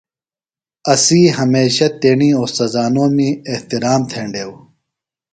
اسی ہمیشہ تیݨی اوستاذانومی احتِرام تھینڈیوۡ